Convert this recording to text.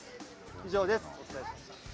以上です。